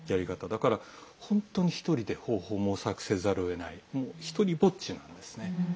だから、本当に１人で方法を模索せざるをえない独りぼっちなんですね。